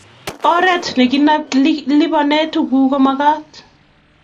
Oret ne kilipane tuguk kumagat